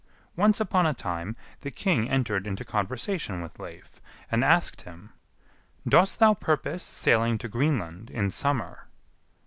Once upon a time the king entered into conversation with Leif, and asked him, "Dost thou purpose sailing to Greenland in summer?"